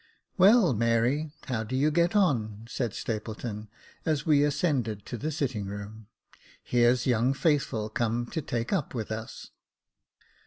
" Well, Mary, how do you get on ?" said Stapleton, as we ascended to the sitting room. Here's young Faithful come to take up with us."